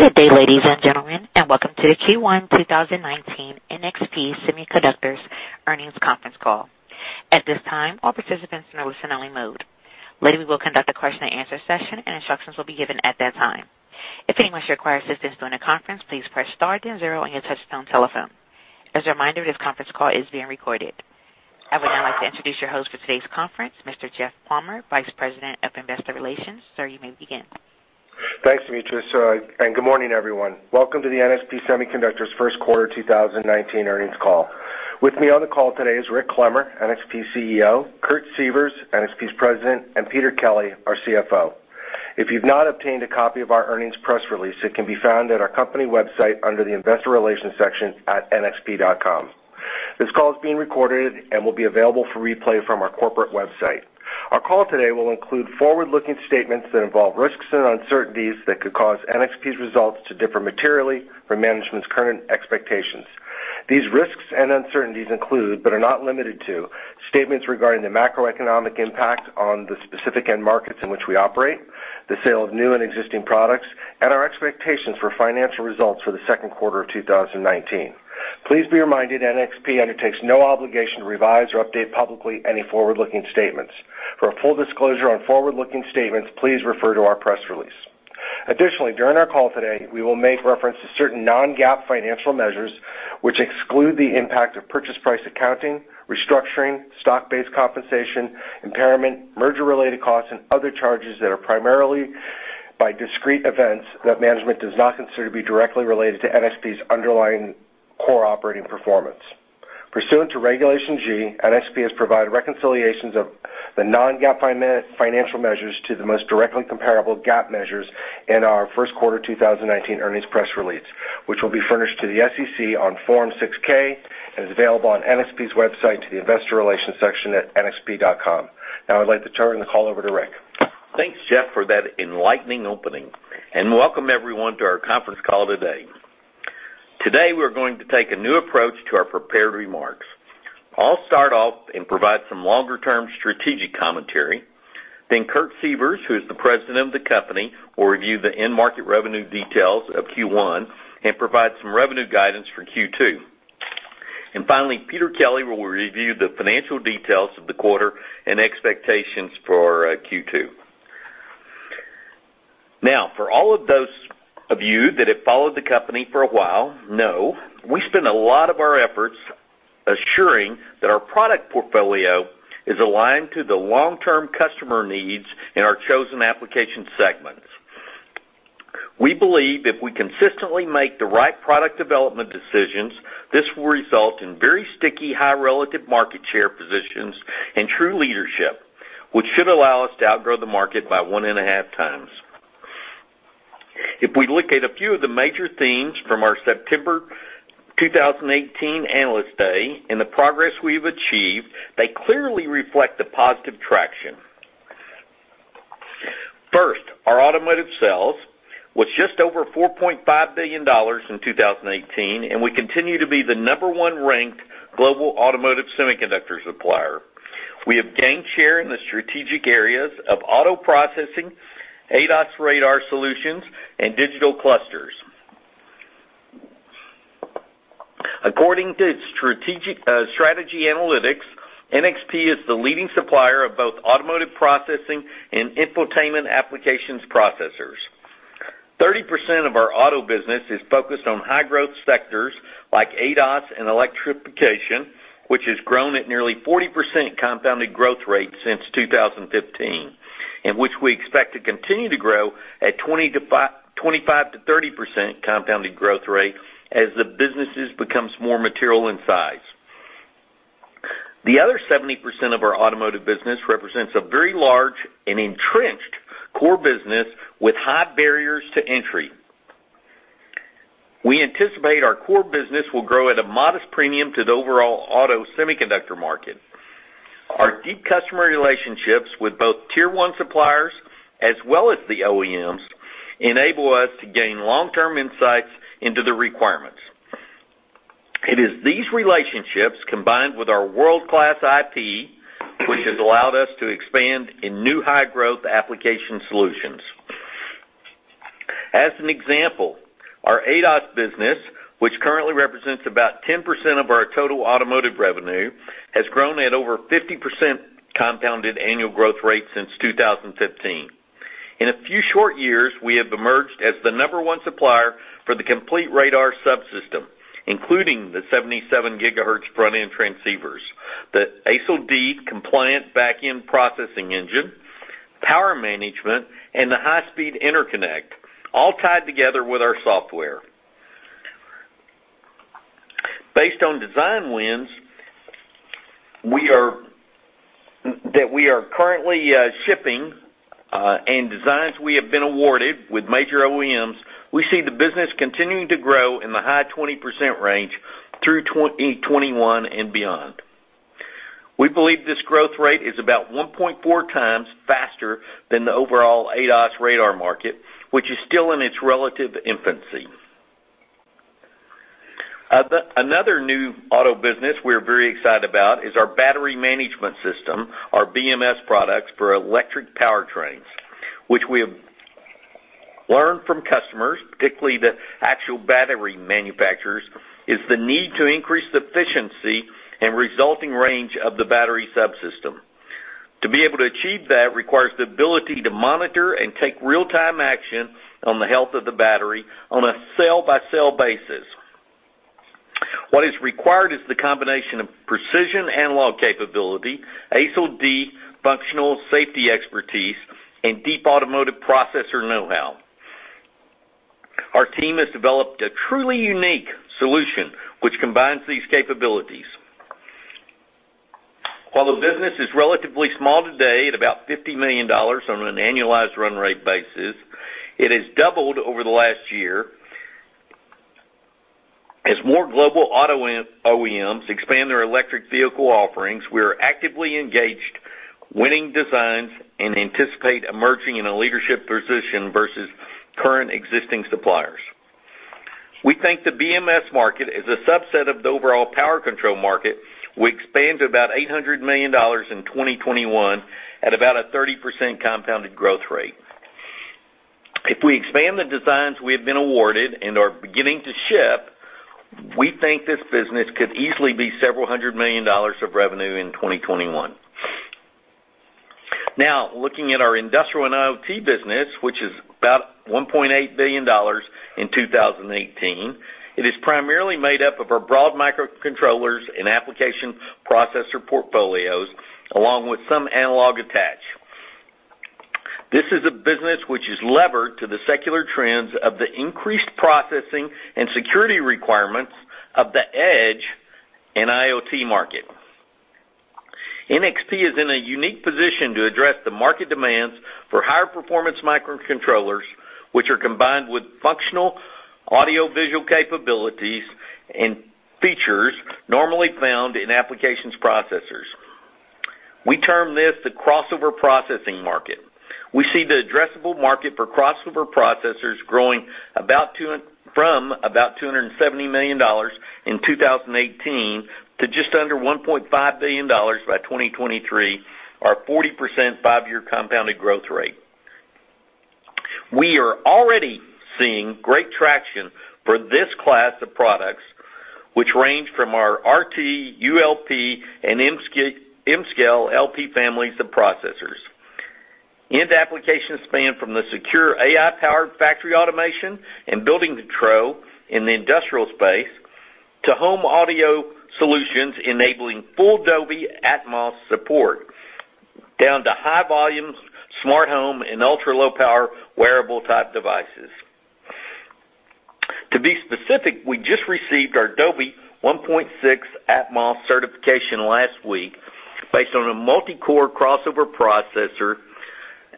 Good day, ladies and gentlemen, and welcome to the Q1 2019 NXP Semiconductors earnings conference call. At this time, all participants are in listen-only mode. Later, we will conduct a question and answer session and instructions will be given at that time. If anyone should require assistance during the conference, please press star then zero on your touchtone telephone. As a reminder, this conference call is being recorded. I would now like to introduce your host for today's conference, Mr. Jeff Palmer, Vice President of Investor Relations. Sir, you may begin. Thanks, Demetrius. Good morning, everyone. Welcome to the NXP Semiconductors first quarter 2019 earnings call. With me on the call today is Rick Clemmer, NXP's CEO, Kurt Sievers, NXP's President, and Peter Kelly, our CFO. If you've not obtained a copy of our earnings press release, it can be found at our company website under the investor relations section at nxp.com. This call is being recorded and will be available for replay from our corporate website. Our call today will include forward-looking statements that involve risks and uncertainties that could cause NXP's results to differ materially from management's current expectations. These risks and uncertainties include, but are not limited to, statements regarding the macroeconomic impact on the specific end markets in which we operate, the sale of new and existing products, and our expectations for financial results for the second quarter of 2019. Please be reminded, NXP undertakes no obligation to revise or update publicly any forward-looking statements. For a full disclosure on forward-looking statements, please refer to our press release. Additionally, during our call today, we will make reference to certain non-GAAP financial measures, which exclude the impact of purchase price accounting, restructuring, stock-based compensation, impairment, merger related costs, and other charges that are primarily by discrete events that management does not consider to be directly related to NXP's underlying core operating performance. Pursuant to Regulation G, NXP has provided reconciliations of the non-GAAP financial measures to the most directly comparable GAAP measures in our first quarter 2019 earnings press release, which will be furnished to the SEC on Form 6-K and is available on NXP's website to the investor relations section at nxp.com. I'd like to turn the call over to Rick. Thanks, Jeff, for that enlightening opening. Welcome everyone to our conference call today. Today, we're going to take a new approach to our prepared remarks. I'll start off and provide some longer-term strategic commentary. Kurt Sievers, who is the President of the company, will review the end-market revenue details of Q1 and provide some revenue guidance for Q2. Finally, Peter Kelly will review the financial details of the quarter and expectations for Q2. For all of those of you that have followed the company for a while know we spend a lot of our efforts assuring that our product portfolio is aligned to the long-term customer needs in our chosen application segments. We believe if we consistently make the right product development decisions, this will result in very sticky, high relative market share positions and true leadership, which should allow us to outgrow the market by one and a half times. If we look at a few of the major themes from our September 2018 Analyst Day and the progress we've achieved, they clearly reflect the positive traction. First, our automotive sales was just over $4.5 billion in 2018, and we continue to be the number 1 ranked global automotive semiconductor supplier. We have gained share in the strategic areas of auto processing, ADAS radar solutions, and digital clusters. According to Strategy Analytics, NXP is the leading supplier of both automotive processing and infotainment applications processors. 30% of our auto business is focused on high growth sectors like ADAS and electrification, which has grown at nearly 40% compounded growth rate since 2015, and which we expect to continue to grow at 25%-30% compounded growth rate as the businesses becomes more material in size. The other 70% of our automotive business represents a very large and entrenched core business with high barriers to entry. We anticipate our core business will grow at a modest premium to the overall auto semiconductor market. Our deep customer relationships with both tier 1 suppliers as well as the OEMs enable us to gain long-term insights into the requirements. It is these relationships combined with our world-class IP, which has allowed us to expand in new high growth application solutions. As an example, our ADAS business, which currently represents about 10% of our total automotive revenue, has grown at over 50% compounded annual growth rate since 2015. In a few short years, we have emerged as the number 1 supplier for the complete radar subsystem, including the 77 gigahertz front-end transceivers, the ASIL D compliant back-end processing engine, power management, and the high-speed interconnect, all tied together with our software. Based on design wins that we are currently shipping and designs we have been awarded with major OEMs, we see the business continuing to grow in the high 20% range through 2021 and beyond. We believe this growth rate is about 1.4 times faster than the overall ADAS radar market, which is still in its relative infancy. Another new auto business we're very excited about is our Battery Management System, our BMS products for electric powertrains, which we have learned from customers, particularly the actual battery manufacturers, is the need to increase the efficiency and resulting range of the battery subsystem. To be able to achieve that requires the ability to monitor and take real-time action on the health of the battery on a cell-by-cell basis. What is required is the combination of precision analogue capability, ASIL D functional safety expertise, and deep automotive processor know-how. Our team has developed a truly unique solution which combines these capabilities. While the business is relatively small today at about $50 million on an annualized run rate basis, it has doubled over the last year. As more global auto OEMs expand their electric vehicle offerings, we are actively engaged winning designs and anticipate emerging in a leadership position versus current existing suppliers. We think the BMS market is a subset of the overall power control market will expand to about $800 million in 2021 at about a 30% compounded growth rate. If we expand the designs we have been awarded and are beginning to ship, we think this business could easily be several hundred million dollars of revenue in 2021. Looking at our industrial and IoT business, which is about $1.8 billion in 2018, it is primarily made up of our broad microcontrollers and application processor portfolios, along with some analogue attach. This is a business which is levered to the secular trends of the increased processing and security requirements of the edge and IoT market. NXP is in a unique position to address the market demands for higher performance microcontrollers, which are combined with functional audiovisual capabilities and features normally found in applications processors. We term this the crossover processing market. We see the addressable market for crossover processors growing from about $270 million in 2018 to just under $1.5 billion by 2023, or a 40% five-year compounded growth rate. We are already seeing great traction for this class of products, which range from our RT, ULP, and mScale LP families of processors. End applications span from the secure AI-powered factory automation and building control in the industrial space to home audio solutions enabling full Dolby Atmos support, down to high volume, smart home, and ultra-low power wearable type devices. To be specific, we just received our Dolby 1.6 Atmos certification last week based on a multi-core crossover processor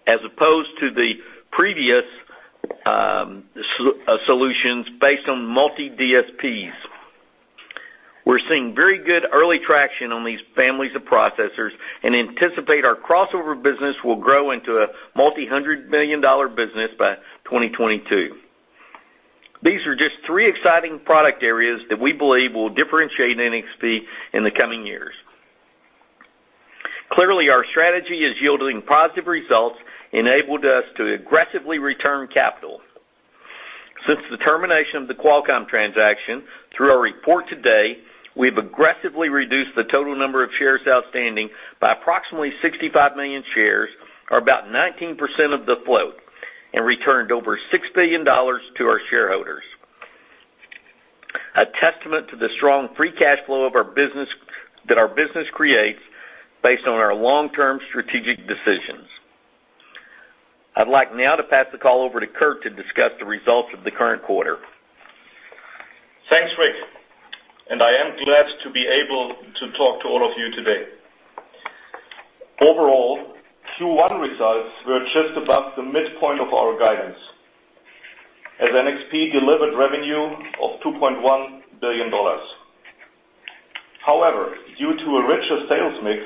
as opposed to the previous solutions based on multi-DSPs. We're seeing very good early traction on these families of processors and anticipate our crossover business will grow into a multi-hundred million dollar business by 2022. These are just three exciting product areas that we believe will differentiate NXP in the coming years. Our strategy is yielding positive results, enabled us to aggressively return capital. Since the termination of the Qualcomm transaction through our report today, we've aggressively reduced the total number of shares outstanding by approximately 65 million shares, or about 19% of the float, and returned over $6 billion to our shareholders, a testament to the strong free cash flow that our business creates based on our long-term strategic decisions. I'd like to pass the call over to Kurt to discuss the results of the current quarter. Thanks, Rick Clemmer, I am glad to be able to talk to all of you today. Overall, Q1 results were just above the midpoint of our guidance, as NXP delivered revenue of $2.1 billion. However, due to a richer sales mix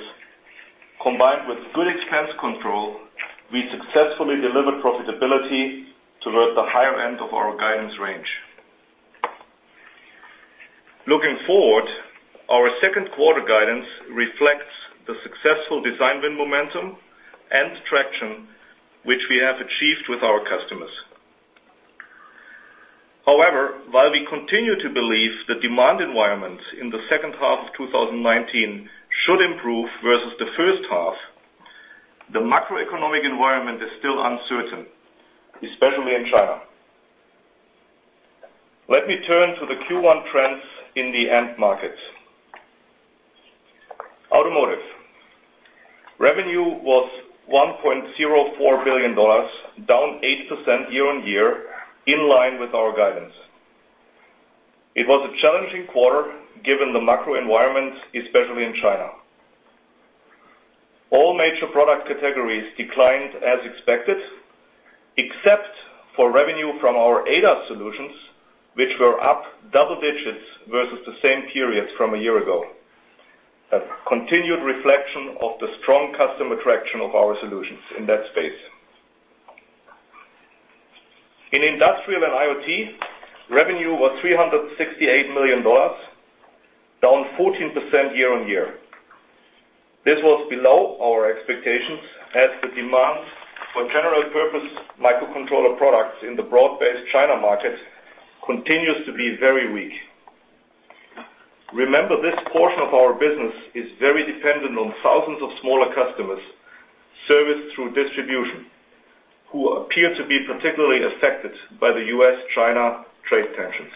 combined with good expense control, we successfully delivered profitability toward the higher end of our guidance range. Looking forward, our second quarter guidance reflects the successful design win momentum and traction which we have achieved with our customers. While we continue to believe the demand environment in the second half of 2019 should improve versus the first half, the macroeconomic environment is still uncertain, especially in China. Let me turn to the Q1 trends in the end markets. Automotive. Revenue was $1.04 billion, down 8% year-on-year, in line with our guidance. It was a challenging quarter given the macro environment, especially in China. All major product categories declined as expected, except for revenue from our ADAS solutions, which were up double digits versus the same period from a year ago, a continued reflection of the strong customer traction of our solutions in that space. In industrial and IoT, revenue was $368 million, down 14% year-on-year. This was below our expectations as the demand for general purpose microcontroller products in the broad-based China market continues to be very weak. Remember, this portion of our business is very dependent on thousands of smaller customers serviced through distribution, who appear to be particularly affected by the U.S.-China trade tensions.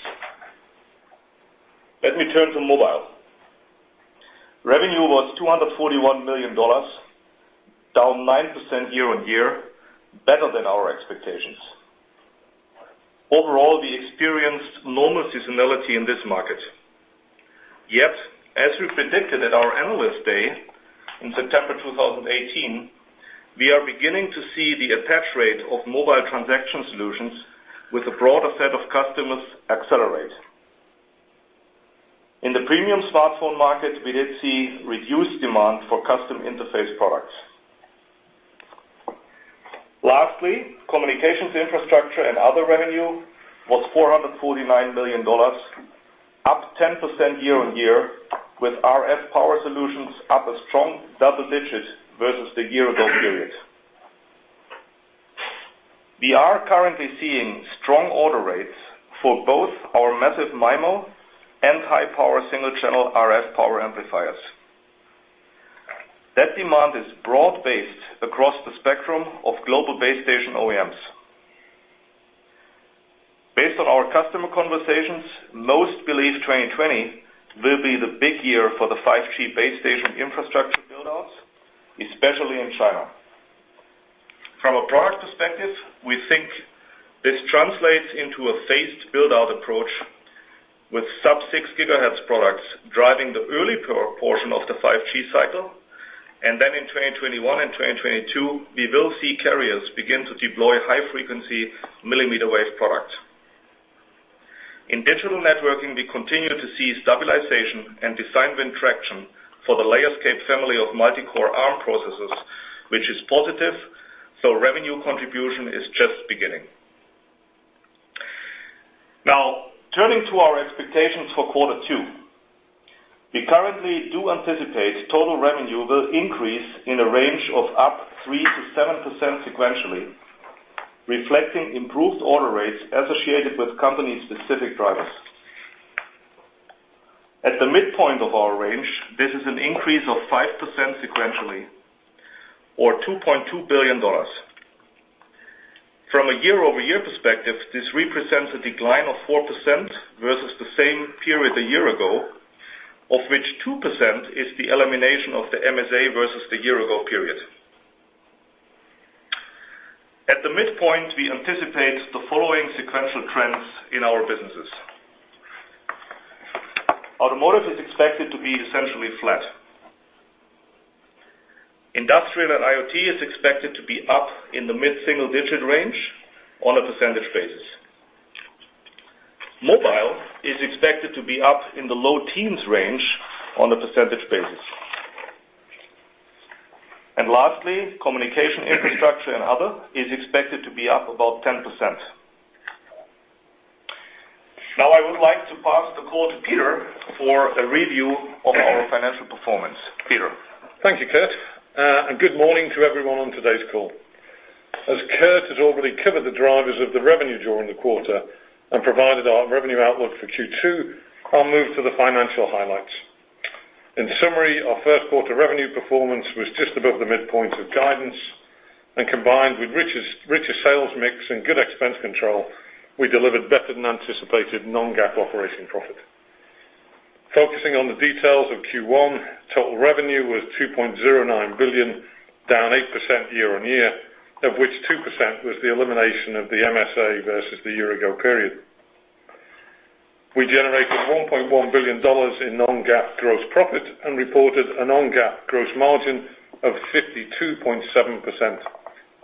Let me turn to mobile. Revenue was $241 million, down 9% year-on-year, better than our expectations. Overall, we experienced normal seasonality in this market. As we predicted at our Analyst Day in September 2018, we are beginning to see the attach rate of mobile transaction solutions with a broader set of customers accelerate. In the premium smartphone market, we did see reduced demand for custom interface products. Communications infrastructure and other revenue was $449 million, up 10% year-on-year, with RF power solutions up a strong double digit versus the year-ago period. We are currently seeing strong order rates for both our massive MIMO and high-power single-channel RF power amplifiers. That demand is broad-based across the spectrum of global base station OEMs. Based on our customer conversations, most believe 2020 will be the big year for the 5G base station infrastructure build-outs, especially in China. From a product perspective, we think this translates into a phased build-out approach with sub-six gigahertz products driving the early portion of the 5G cycle. Then in 2021 and 2022, we will see carriers begin to deploy high-frequency millimetre wave products. In Digital Networking, we continue to see stabilization and design win traction for the Layerscape family of multi-core Arm processors, which is positive, though revenue contribution is just beginning. Now, turning to our expectations for Quarter 2. We currently do anticipate total revenue will increase in a range of up 3%-7% sequentially, reflecting improved order rates associated with company-specific drivers. At the midpoint of our range, this is an increase of 5% sequentially, or $2.2 billion. From a year-over-year perspective, this represents a decline of 4% versus the same period a year ago, of which 2% is the elimination of the MSA versus the year-ago period. At the midpoint, we anticipate the following sequential trends in our businesses. Automotive is expected to be essentially flat. Industrial and IoT is expected to be up in the mid-single digit range on a percentage basis. Mobile is expected to be up in the low teens range on a percentage basis. Lastly, communication infrastructure and other is expected to be up about 10%. I would like to pass the call to Peter for a review of our financial performance. Peter? Thank you, Kurt, and good morning to everyone on today's call. As Kurt has already covered the drivers of the revenue during the quarter and provided our revenue outlook for Q2, I'll move to the financial highlights. In summary, our first quarter revenue performance was just above the midpoint of guidance and combined with richer sales mix and good expense control, we delivered better than anticipated non-GAAP operating profit. Focusing on the details of Q1, total revenue was $2.09 billion, down 8% year-on-year, of which 2% was the elimination of the MSA versus the year-ago period. We generated $1.1 billion in non-GAAP gross profit and reported a non-GAAP gross margin of 52.7%,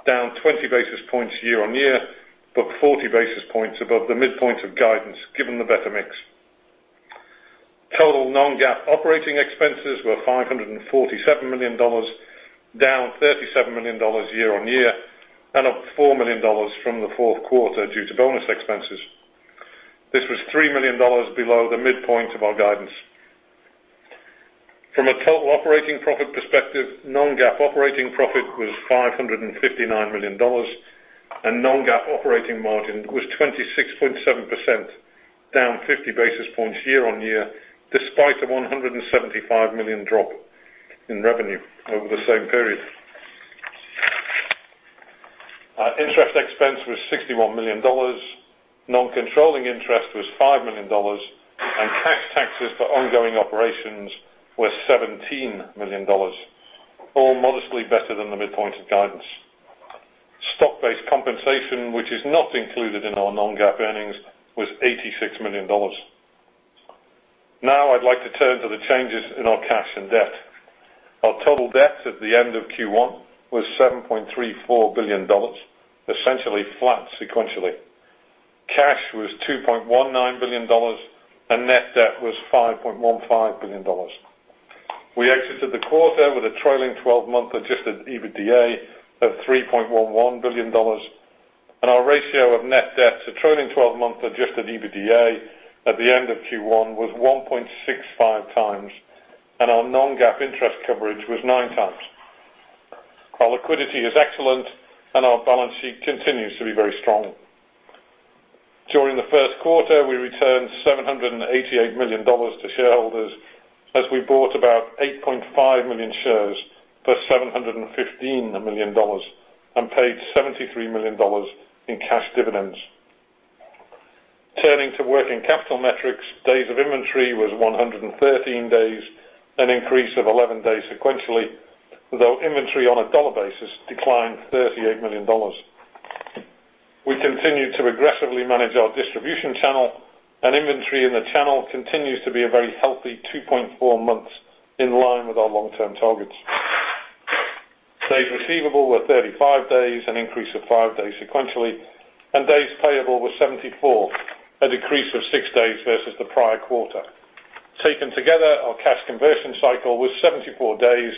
down 20 basis points year-on-year, but 40 basis points above the midpoint of guidance given the better mix. Total non-GAAP operating expenses were $547 million, down $37 million year-on-year, and up $4 million from the fourth quarter due to bonus expenses. This was $3 million below the midpoint of our guidance. From a total operating profit perspective, non-GAAP operating profit was $559 million and non-GAAP operating margin was 26.7%, down 50 basis points year-on-year despite a $175 million drop in revenue over the same period. Our interest expense was $61 million. Non-controlling interest was $5 million and taxes for ongoing operations were $17 million, all modestly better than the midpoint of guidance. Stock-based compensation, which is not included in our non-GAAP earnings, was $86 million. I'd like to turn to the changes in our cash and debt. Our total debt at the end of Q1 was $7.34 billion, essentially flat sequentially. Cash was $2.19 billion, and net debt was $5.15 billion. We exited the quarter with a trailing 12-month adjusted EBITDA of $3.11 billion. Our ratio of net debt to trailing 12-month adjusted EBITDA at the end of Q1 was 1.65 times, and our non-GAAP interest coverage was nine times. Our liquidity is excellent, and our balance sheet continues to be very strong. During the first quarter, we returned $788 million to shareholders as we bought about 8.5 million shares for $715 million and paid $73 million in cash dividends. Turning to working capital metrics, days of inventory was 113 days, an increase of 11 days sequentially, though inventory on a dollar basis declined $38 million. We continued to aggressively manage our distribution channel, and inventory in the channel continues to be a very healthy 2.4 months, in line with our long-term targets. Days receivable were 35 days, an increase of five days sequentially, and days payable was 74, a decrease of six days versus the prior quarter. Taken together, our cash conversion cycle was 74 days,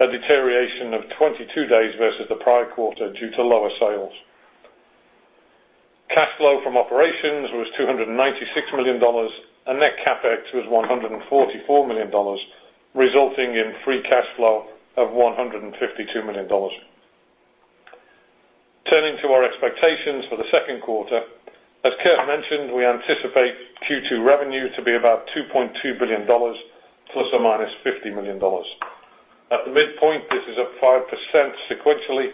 a deterioration of 22 days versus the prior quarter due to lower sales. Cash flow from operations was $296 million, and net CapEx was $144 million, resulting in free cash flow of $152 million. Turning to our expectations for the second quarter, as Kurt mentioned, we anticipate Q2 revenue to be about $2.2 billion ±$50 million. At the midpoint, this is up 5% sequentially,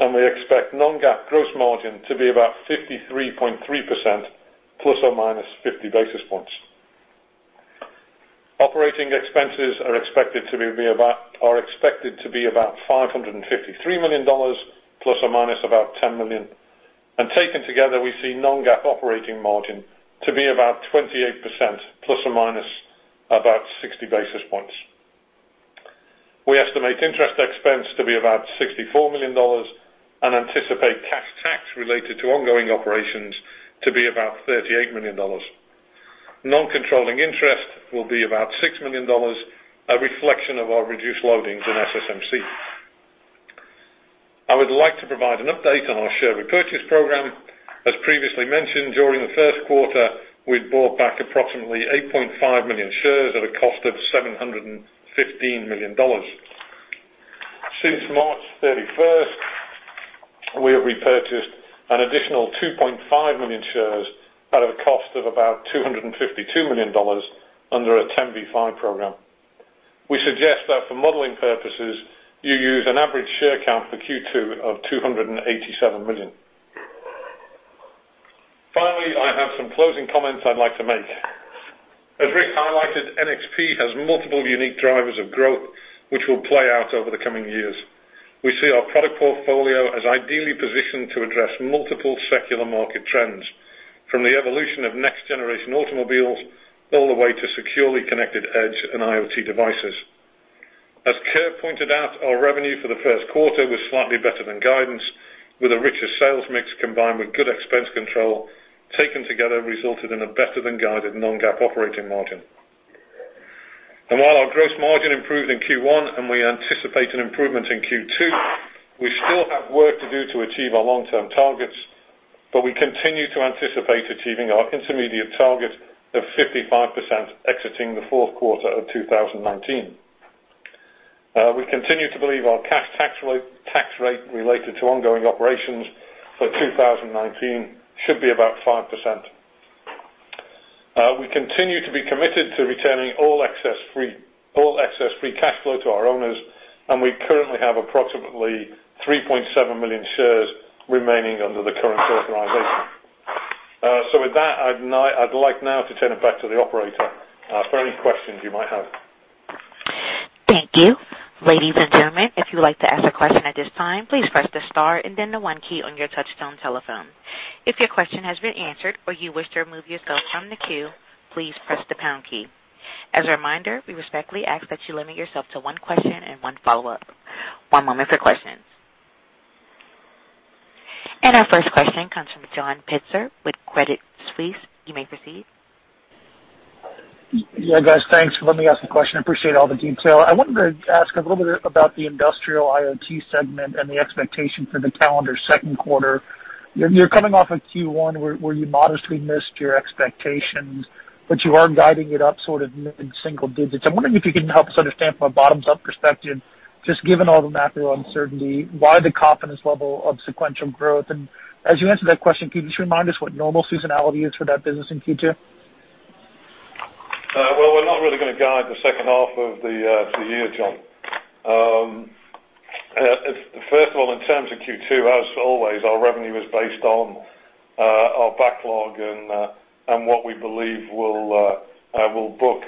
we expect non-GAAP gross margin to be about 53.3% ±50 basis points. Operating expenses are expected to be about $553 million ±$10 million. Taken together, we see non-GAAP operating margin to be about 28% ±60 basis points. We estimate interest expense to be about $64 million and anticipate cash tax related to ongoing operations to be about $38 million. Non-controlling interest will be about $6 million, a reflection of our reduced loadings in SSMC. I would like to provide an update on our share repurchase program. As previously mentioned, during the first quarter, we bought back approximately 8.5 million shares at a cost of $715 million. Since March 31st, we have repurchased an additional 2.5 million shares out of a cost of about $252 million under a 10b5-1 program. We suggest that for modelling purposes, you use an average share count for Q2 of 287 million. Finally, I have some closing comments I'd like to make. As Rick highlighted, NXP has multiple unique drivers of growth, which will play out over the coming years. We see our product portfolio as ideally positioned to address multiple secular market trends, from the evolution of next generation automobiles all the way to securely connected edge and IoT devices. As Kurt pointed out, our revenue for the first quarter was slightly better than guidance, with a richer sales mix combined with good expense control, taken together, resulted in a better than guided non-GAAP operating margin. While our gross margin improved in Q1, and we anticipate an improvement in Q2, we still have work to do to achieve our long-term targets, but we continue to anticipate achieving our intermediate target of 55% exiting the fourth quarter of 2019. We continue to believe our cash tax rate related to ongoing operations for 2019 should be about 5%. We continue to be committed to returning all excess free cash flow to our owners, and we currently have approximately 3.7 million shares remaining under the current authorization. With that, I'd like now to turn it back to the operator for any questions you might have. Thank you. Ladies and gentlemen, if you'd like to ask a question at this time, please press the star and then the one key on your touch-tone telephone. If your question has been answered or you wish to remove yourself from the queue, please press the pound key. As a reminder, we respectfully ask that you limit yourself to one question and one follow-up. One moment for questions. Our first question comes from John Pitzer with Credit Suisse. You may proceed. Yeah, guys. Thanks. Let me ask the question. I appreciate all the detail. I wanted to ask a little bit about the industrial IoT segment and the expectation for the calendar second quarter. You're coming off a Q1 where you modestly missed your expectations, but you are guiding it up sort of mid-single digits. I'm wondering if you can help us understand from a bottoms-up perspective, just given all the macro uncertainty, why the confidence level of sequential growth? As you answer that question, can you just remind us what normal seasonality is for that business in Q2? We're not really going to guide the second half of the year, John. First of all, in terms of Q2, as always, our revenue is based on our backlog and what we believe we'll book.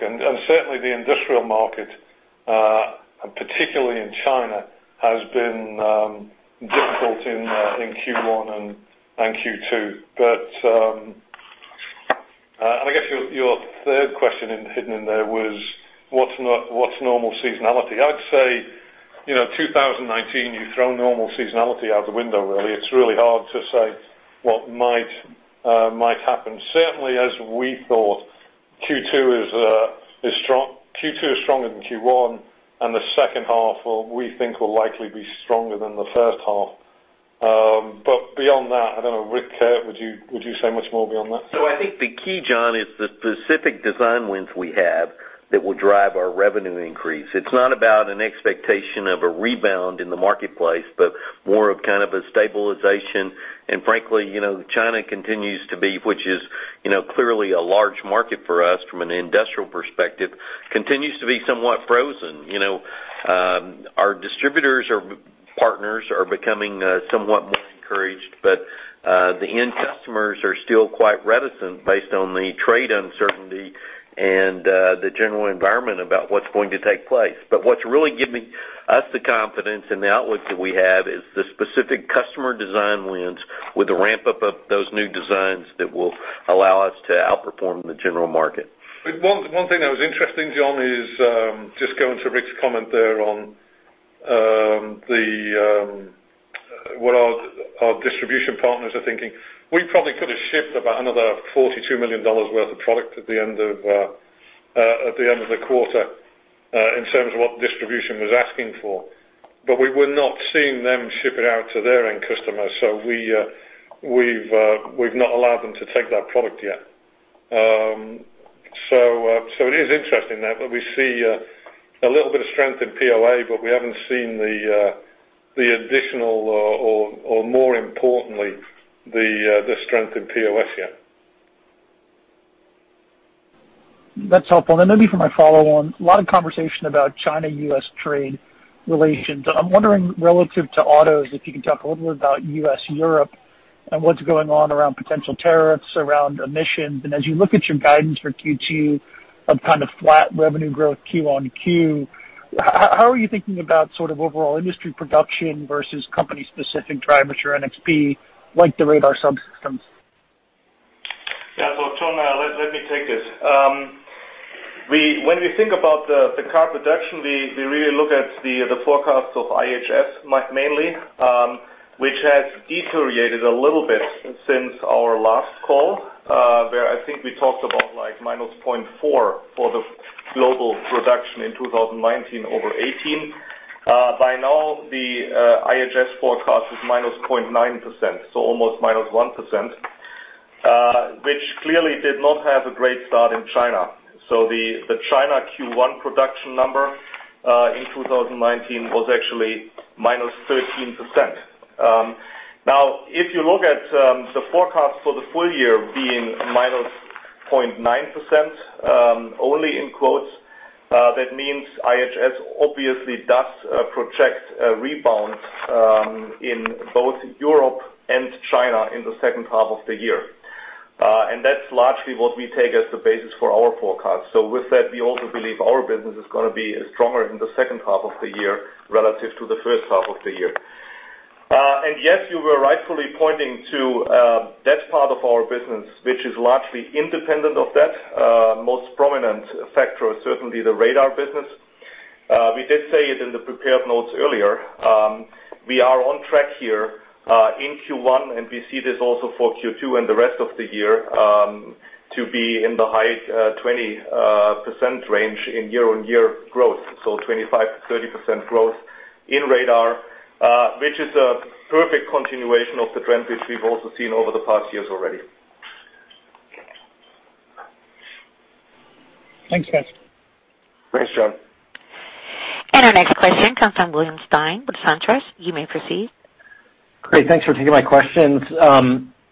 Certainly, the industrial market, particularly in China, has been difficult in Q1 and Q2. I guess your third question hidden in there was what's normal seasonality? I'd say 2019, you throw normal seasonality out the window, really. It's really hard to say what might happen. Certainly, as we thought, Q2 is stronger than Q1, and the second half, we think, will likely be stronger than the first half. Beyond that, I don't know, Rick, would you say much more beyond that? I think the key, John, is the specific design wins we have that will drive our revenue increase. It's not about an expectation of a rebound in the marketplace, but more of kind of a stabilization. Frankly, China continues to be, which is clearly a large market for us from an industrial perspective, continues to be somewhat frozen. Our distributors or partners are becoming somewhat more encouraged, but the end customers are still quite reticent based on the trade uncertainty and the general environment about what's going to take place. What's really giving us the confidence in the outlook that we have is the specific customer design wins with the ramp-up of those new designs that will allow us to outperform the general market. One thing that was interesting, John, is just going to Rick's comment there on what our distribution partners are thinking. We probably could have shipped about another $42 million worth of product at the end of the quarter in terms of what the distribution was asking for. We were not seeing them ship it out to their end customers, so we've not allowed them to take that product yet. It is interesting that we see a little bit of strength in POA, but we haven't seen the additional, or more importantly, the strength in POS yet. That's helpful. Then maybe for my follow-on, a lot of conversation about China-U.S. trade relations. I'm wondering, relative to autos, if you can talk a little bit about U.S.-Europe and what's going on around potential tariffs around emissions. As you look at your guidance for Q2 of kind of flat revenue growth Q on Q, how are you thinking about sort of overall industry production versus company specific drivers for NXP, like the radar subsystems? John, let me take this. When we think about the car production, we really look at the forecasts of IHS mainly, which has deteriorated a little bit since our last call, where I think we talked about -0.4% for the global production in 2019 over 2018. By now, the IHS forecast is -0.9%, so almost -1%, which clearly did not have a great start in China. The China Q1 production number in 2019 was actually -13%. If you look at the forecast for the full year being -0.9%, only in quotes, that means IHS obviously does project a rebound in both Europe and China in the second half of the year. That's largely what we take as the basis for our forecast. With that, we also believe our business is going to be stronger in the second half of the year relative to the first half of the year. Yes, you were rightfully pointing to that part of our business, which is largely independent of that. Most prominent factor is certainly the radar business. We did say it in the prepared notes earlier. We are on track here in Q1, and we see this also for Q2 and the rest of the year, to be in the high 20% range in year-over-year growth. 25%-30% growth in radar, which is a perfect continuation of the trend which we've also seen over the past years already. Thanks, guys. Thanks, John. Our next question comes from William Stein with SunTrust. You may proceed. Great. Thanks for taking my questions.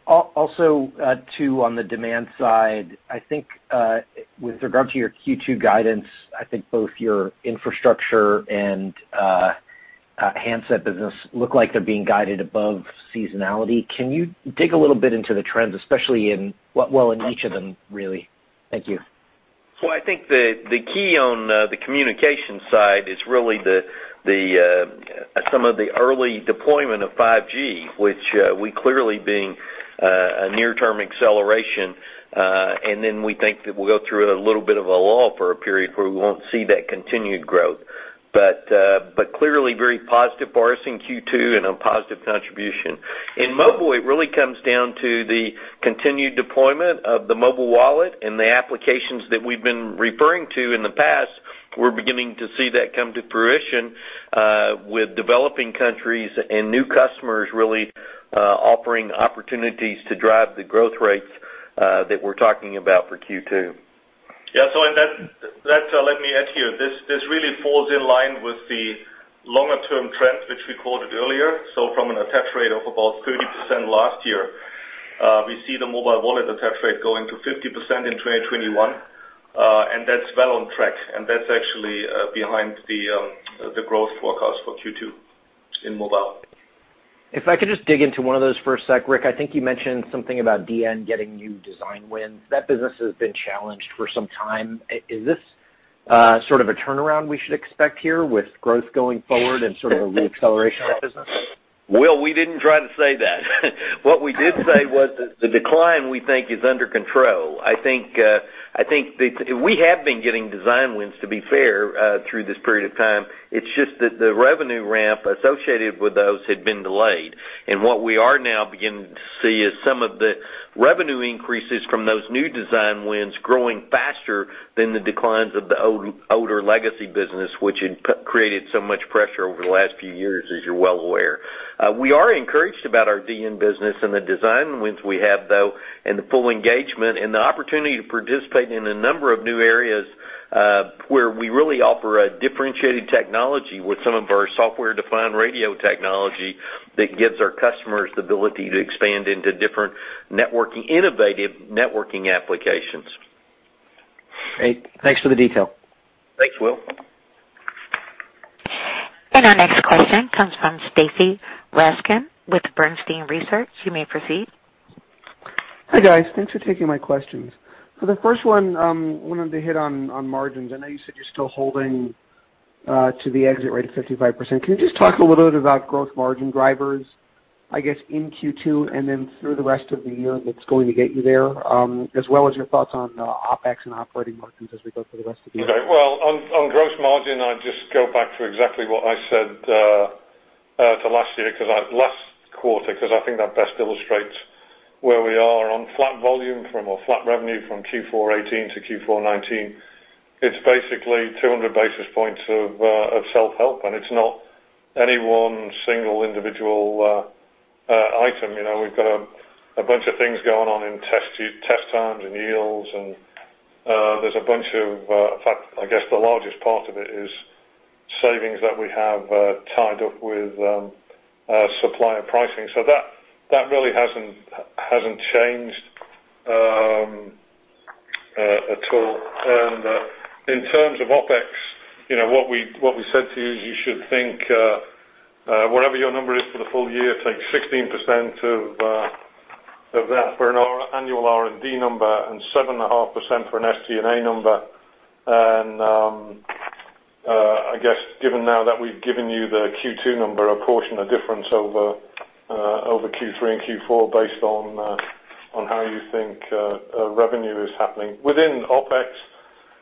Also, too, on the demand side, I think with regard to your Q2 guidance, I think both your infrastructure and handset business look like they're being guided above seasonality. Can you dig a little bit into the trends, especially in, well, in each of them, really? Thank you. I think the key on the communication side is really some of the early deployment of 5G, which we clearly being a near-term acceleration. Then we think that we'll go through a little bit of a lull for a period where we won't see that continued growth. Clearly very positive for us in Q2 and a positive contribution. In mobile, it really comes down to the continued deployment of the mobile wallet and the applications that we've been referring to in the past. We're beginning to see that come to fruition with developing countries and new customers really offering opportunities to drive the growth rates that we're talking about for Q2. Yeah. Let me add here. This really falls in line with the longer-term trends which we quoted earlier. From an attach rate of about 30% last year, we see the mobile wallet attach rate going to 50% in 2021. That's well on track, and that's actually behind the growth forecast for Q2 in mobile. If I could just dig into one of those for a sec, Rick, I think you mentioned something about DN getting new design wins. That business has been challenged for some time. Is this sort of a turnaround we should expect here with growth going forward and sort of a re-acceleration of the business? Will, we didn't try to say that. What we did say was that the decline we think is under control. I think we have been getting design wins, to be fair, through this period of time. It's just that the revenue ramp associated with those had been delayed. What we are now beginning to see is some of the revenue increases from those new design wins growing faster than the declines of the older legacy business, which had created so much pressure over the last few years, as you're well aware. We are encouraged about our DN business and the design wins we have, though, and the full engagement and the opportunity to participate in a number of new areas, where we really offer a differentiated technology with some of our software-defined radio technology that gives our customers the ability to expand into different innovative networking applications. Great. Thanks for the detail. Thanks, Will. Our next question comes from Stacy Rasgon with Bernstein Research. You may proceed. Hi, guys. Thanks for taking my questions. For the first one, I wanted to hit on margins. I know you said you're still holding to the exit rate of 55%. Can you just talk a little bit about gross margin drivers, I guess, in Q2 and then through the rest of the year that's going to get you there, as well as your thoughts on the OpEx and operating margins as we go through the rest of the year? Okay. Well, on gross margin, I'd just go back to exactly what I said to last quarter, because I think that best illustrates where we are on flat volume from a flat revenue from Q4 2018 to Q4 2019. It's basically 200 basis points of self-help, and it's not any one single individual item. We've got a bunch of things going on in test times and yields, and there's a bunch. In fact, I guess the largest part of it is savings that we have tied up with supplier pricing. That really hasn't changed at all. In terms of OpEx, what we said to you should think whatever your number is for the full year, take 16% of that for an annual R&D number and 7.5% for an SG&A number. I guess given now that we've given you the Q2 number, a portion, a difference over Q3 and Q4 based on how you think revenue is happening. Within OpEx,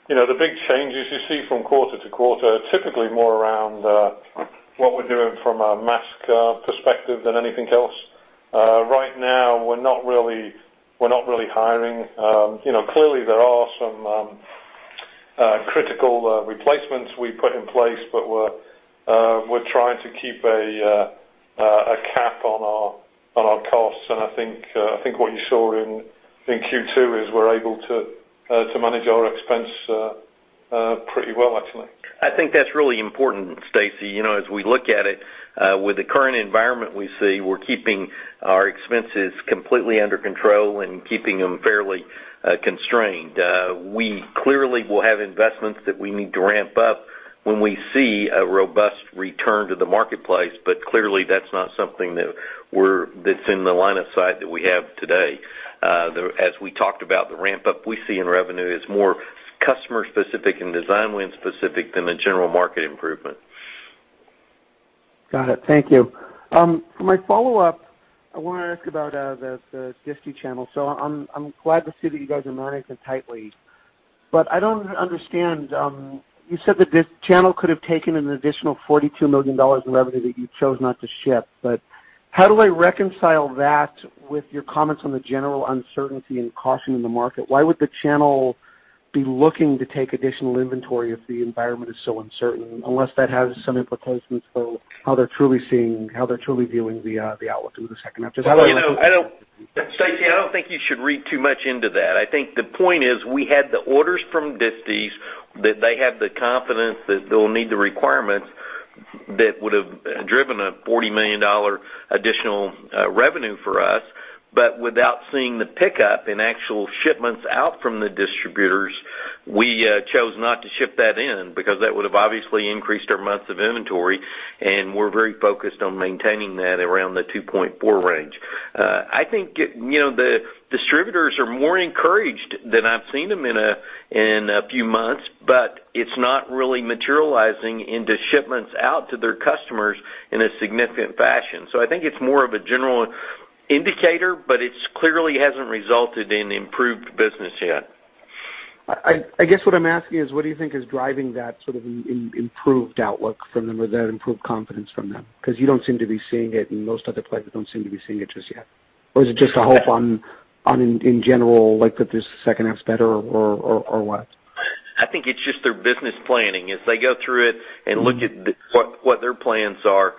the big changes you see from quarter to quarter are typically more around what we're doing from a mask perspective than anything else. Right now, we're not really hiring. Clearly, there are some critical replacements we put in place, but we're trying to keep a cap on our costs. I think what you saw in Q2 is we're able to manage our expense pretty well, actually. I think that's really important, Stacy. As we look at it, with the current environment we see, we're keeping our expenses completely under control and keeping them fairly constrained. We clearly will have investments that we need to ramp up when we see a robust return to the marketplace, but clearly that's not something that's in the line of sight that we have today. As we talked about the ramp-up we see in revenue is more customer specific and design win specific than the general market improvement. Got it. Thank you. For my follow-up, I want to ask about the district channel. I'm glad to see that you guys are monitoring it tightly. I don't understand, you said that this channel could have taken an additional $42 million in revenue that you chose not to ship, but how do I reconcile that with your comments on the general uncertainty and caution in the market? Why would the channel be looking to take additional inventory if the environment is so uncertain, unless that has some implications for how they're truly viewing the outlook through the second half? Stacy, I don't think you should read too much into that. I think the point is we had the orders from district, that they have the confidence that they'll need the requirements that would have driven a $40 million additional revenue for us, but without seeing the pickup in actual shipments out from the distributors, we chose not to ship that in because that would have obviously increased our months of inventory, and we're very focused on maintaining that around the 2.4 range. I think the distributors are more encouraged than I've seen them in a few months, but it's not really materializing into shipments out to their customers in a significant fashion. I think it's more of a general indicator, but it clearly hasn't resulted in improved business yet. I guess what I'm asking is what do you think is driving that sort of improved outlook from them or that improved confidence from them? You don't seem to be seeing it and most other players don't seem to be seeing it just yet. Is it just a hope in general like that this second half's better or what? I think it's just their business planning. As they go through it and look at what their plans are,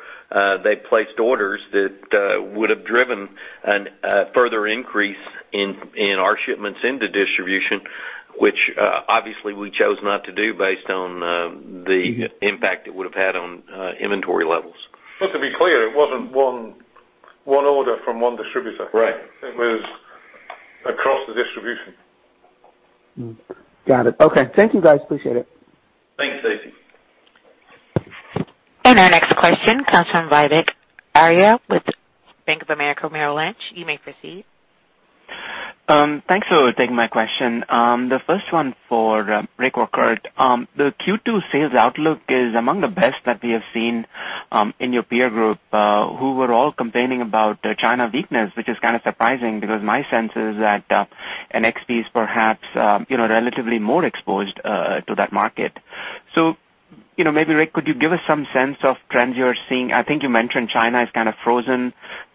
they placed orders that would have driven a further increase in our shipments into distribution, which obviously we chose not to do based on the impact it would have had on inventory levels. To be clear, it wasn't one order from one distributor. Right. It was across the distribution. Got it. Okay. Thank you guys, appreciate it. Thanks, Stacy. Our next question comes from Vivek Arya with Bank of America Merrill Lynch. You may proceed. Thanks for taking my question. The first one for Rick or Kurt. The Q2 sales outlook is among the best that we have seen in your peer group, who were all complaining about China weakness, which is kind of surprising because my sense is that NXP is perhaps relatively more exposed to that market. Maybe, Rick, could you give us some sense of trends you're seeing? I think you mentioned China is kind of frozen.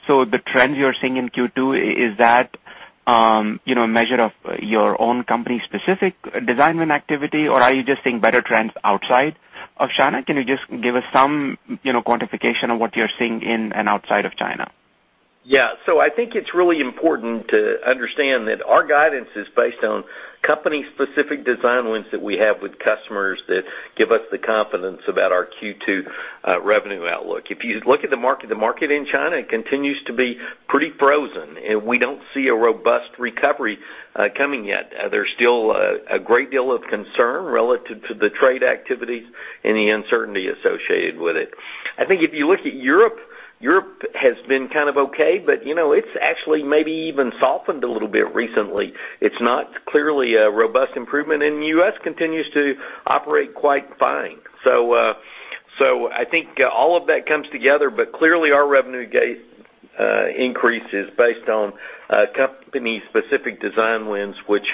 The trends you're seeing in Q2, is that a measure of your own company specific design win activity, or are you just seeing better trends outside of China? Can you just give us some quantification of what you're seeing in and outside of China? Yeah. I think it's really important to understand that our guidance is based on company specific design wins that we have with customers that give us the confidence about our Q2 revenue outlook. If you look at the market, the market in China continues to be pretty frozen, and we don't see a robust recovery coming yet. There's still a great deal of concern relative to the trade activities and the uncertainty associated with it. I think if you look at Europe has been kind of okay, but it's actually maybe even softened a little bit recently. It's not clearly a robust improvement, and the U.S. continues to operate quite fine. I think all of that comes together, but clearly our revenue increase is based on company specific design wins, which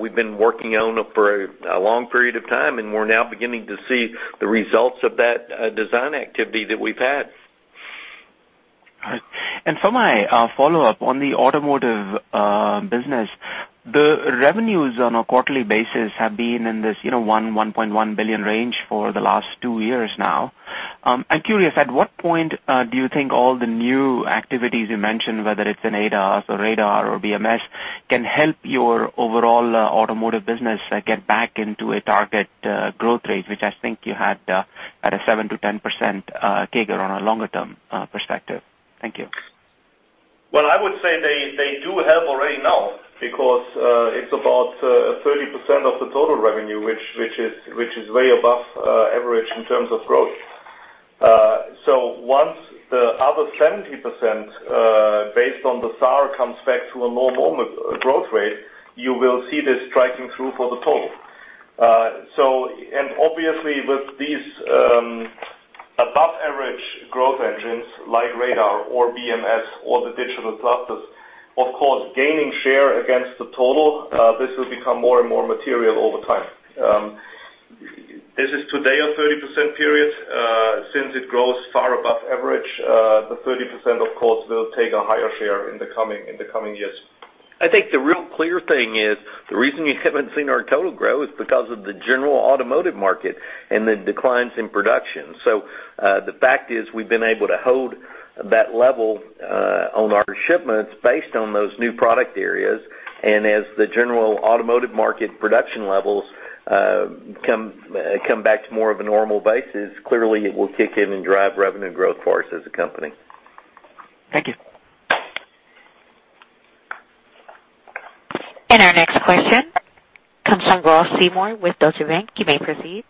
we've been working on for a long period of time, and we're now beginning to see the results of that design activity that we've had. All right. For my follow-up on the automotive business, the revenues on a quarterly basis have been in this $1 billion - $1.1 billion range for the last two years now. I'm curious, at what point do you think all the new activities you mentioned, whether it's in ADAS or radar or BMS, can help your overall automotive business get back into a target growth rate, which I think you had at a 7% to 10% CAGR on a longer-term perspective? Thank you. I would say they do help already now, because it's about 30% of the total revenue, which is way above average in terms of growth. Once the other 70%, based on the SAAR, comes back to a normal growth rate, you will see this striking through for the total. Obviously, with these above-average growth engines like radar or BMS or the digital clusters, of course, gaining share against the total, this will become more and more material over time. This is today a 30% period. Since it grows far above average, the 30%, of course, will take a higher share in the coming years. I think the real clear thing is the reason you haven't seen our total grow is because of the general automotive market and the declines in production. The fact is we've been able to hold that level on our shipments based on those new product areas. As the general automotive market production levels come back to more of a normal basis, clearly it will kick in and drive revenue growth for us as a company. Thank you. Our next question comes from Ross Seymore with Deutsche Bank. You may proceed.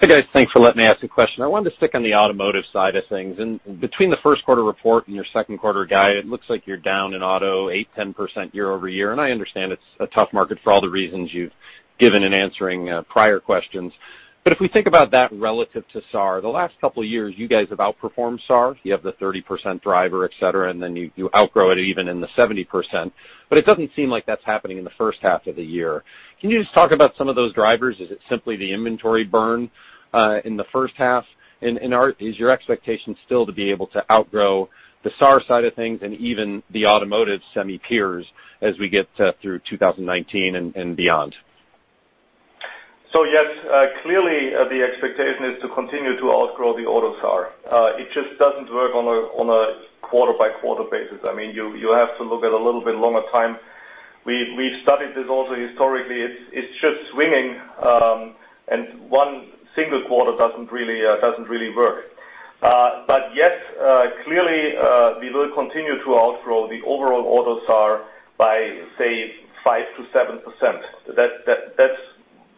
Hey, guys. Thanks for letting me ask a question. I wanted to stick on the automotive side of things. Between the first quarter report and your second quarter guide, it looks like you're down in auto 8%-10% year-over-year. I understand it's a tough market for all the reasons you've given in answering prior questions. If we think about that relative to SAAR, the last couple of years, you guys have outperformed SAAR. You have the 30% driver, et cetera, then you outgrow it even in the 70%. It doesn't seem like that's happening in the first half of the year. Can you just talk about some of those drivers? Is it simply the inventory burn in the first half? Is your expectation still to be able to outgrow the SAAR side of things and even the automotive semi peers as we get through 2019 and beyond? Yes, clearly, the expectation is to continue to outgrow the auto SAAR. It just doesn't work on a quarter-by-quarter basis. You have to look at a little bit longer time. We've studied this also historically. It's just swinging, and one single quarter doesn't really work. Yes, clearly, we will continue to outgrow the overall auto SAAR by, say, 5%-7%.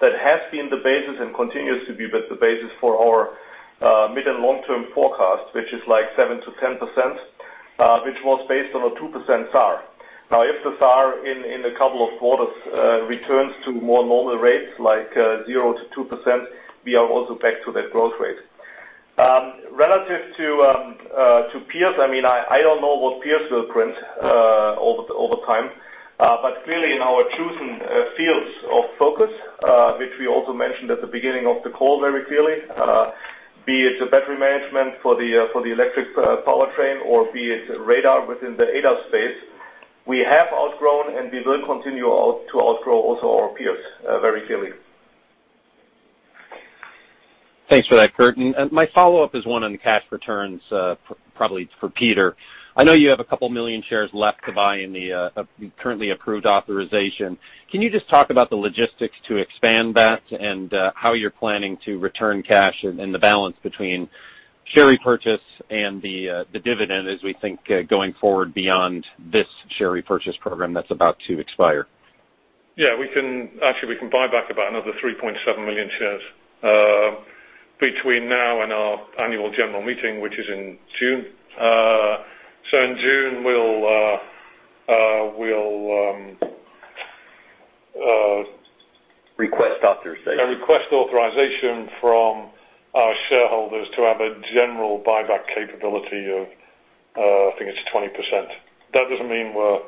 That has been the basis and continues to be the basis for our mid and long-term forecast, which is like 7%-10%, which was based on a 2% SAAR. If the SAAR in a couple of quarters returns to more normal rates like 0%-2%, we are also back to that growth rate. Relative to peers, I don't know what peers will print over time. Clearly in our chosen fields of focus, which we also mentioned at the beginning of the call very clearly, be it the battery management for the electric powertrain or be it radar within the ADAS space, we have outgrown and we will continue to outgrow also our peers very clearly. Thanks for that, Kurt. My follow-up is one on the cash returns, probably for Peter. I know you have a couple million shares left to buy in the currently approved authorization. Can you just talk about the logistics to expand that and how you're planning to return cash and the balance between share repurchase and the dividend as we think going forward beyond this share repurchase program that's about to expire? Actually, we can buy back about another 3.7 million shares between now and our annual general meeting, which is in June. In June, we'll- Request authorization. Request authorization from our shareholders to have a general buyback capability of, I think it's 20%. That doesn't mean we're,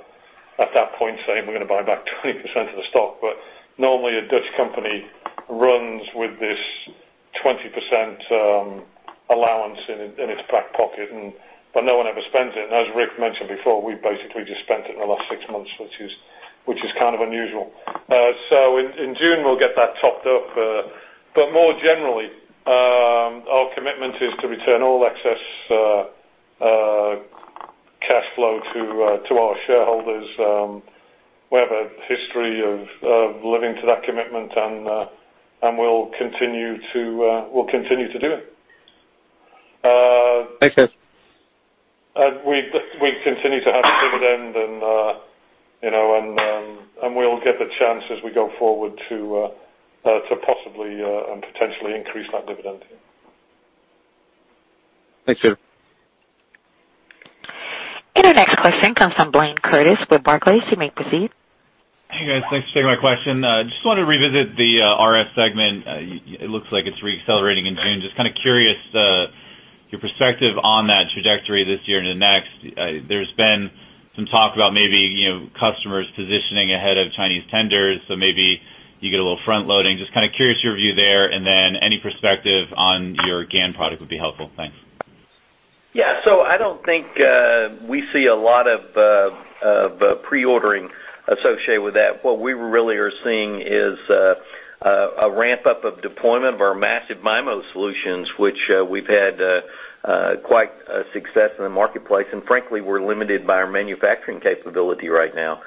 at that point, saying we're going to buy back 20% of the stock, but normally, a Dutch company runs with this 20% allowance in its back pocket, but no one ever spends it. As Rick mentioned before, we basically just spent it in the last six months, which is kind of unusual. In June, we'll get that topped up. More generally, our commitment is to return all excess cash flow to our shareholders. We have a history of living to that commitment, and we'll continue to do it. Thank you. We continue to have a dividend, we'll get the chance as we go forward to possibly and potentially increase that dividend. Thanks, Peter. Our next question comes from Blayne Curtis with Barclays. You may proceed. Hey, guys. Thanks for taking my question. Just wanted to revisit the RF segment. It looks like it's re-accelerating in June. Just kind of curious, your perspective on that trajectory this year into next. There's been some talk about maybe customers positioning ahead of Chinese tenders, so maybe you get a little front-loading. Just kind of curious your view there, and then any perspective on your GaN product would be helpful. Thanks. Yeah. I don't think we see a lot of pre-ordering associated with that. What we really are seeing is a ramp-up of deployment of our massive MIMO solutions, which we've had quite a success in the marketplace. Frankly, we're limited by our manufacturing capability right now.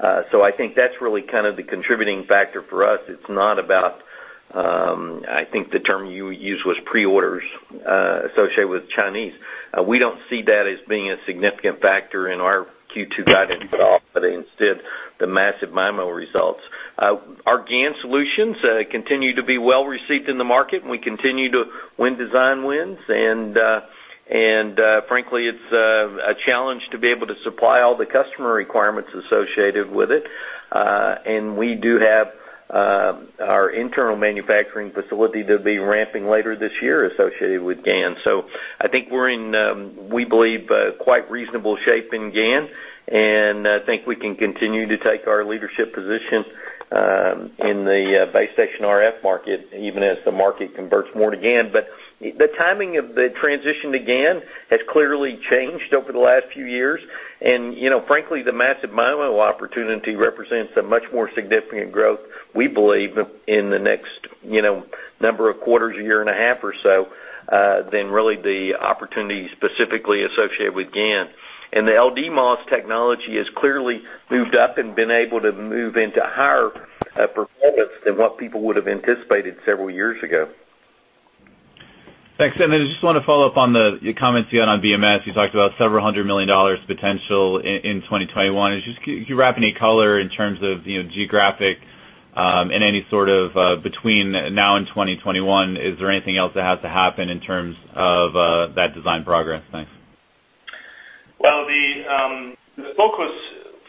I think that's really kind of the contributing factor for us. It's not about, I think the term you used was pre-orders associated with Chinese. We don't see that as being a significant factor in our Q2 guidance at all. Instead, the massive MIMO results. Our GaN solutions continue to be well-received in the market, and we continue to win design wins. Frankly, it's a challenge to be able to supply all the customer requirements associated with it. We do have our internal manufacturing facility to be ramping later this year associated with GaN. I think we're in, we believe, quite reasonable shape in GaN, and I think we can continue to take our leadership position in the base station RF market, even as the market converts more to GaN. The timing of the transition to GaN has clearly changed over the last few years. Frankly, the massive MIMO opportunity represents a much more significant growth, we believe, in the next number of quarters, a year and a half or so, than really the opportunity specifically associated with GaN. The LDMOS technology has clearly moved up and been able to move into higher performance than what people would've anticipated several years ago. Thanks. I just want to follow up on the comments you had on BMS. You talked about several hundred million dollars potential in 2021. Can you wrap any color in terms of geographic and any sort of between now and 2021, is there anything else that has to happen in terms of that design progress? Thanks. The focus